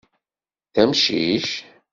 D amcic?